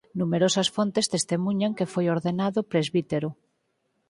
Numerosas fontes testemuñan que foi ordenado presbítero.